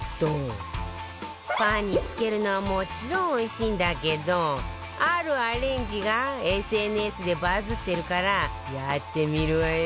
パンに付けるのはもちろんおいしいんだけどあるアレンジが ＳＮＳ でバズってるからやってみるわよ